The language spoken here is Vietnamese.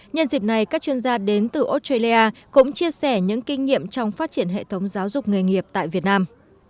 nhân dịp này các chuyên gia đến từ australia cũng chia sẻ những kinh nghiệm trong phát triển hệ thống giáo dục nghề nghiệp tại việt nam